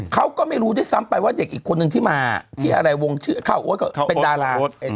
เขาก็ไม่รู้ด้วยซ้ำไปว่าเด็กอีกคนนึงที่มาที่อะไรวงชื่อข้าวโอ๊ตก็เป็นดารา